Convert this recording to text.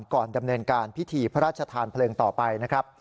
ก่อนดำเนินการพิธีพระราชทานเพลิงต่อไปนะครับ